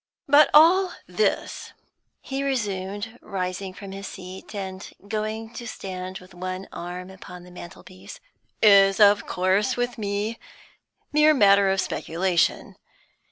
"But all this," he resumed, rising from his seat, and going to stand with one arm upon the mantelpiece, "is of course, with me, mere matter of speculation.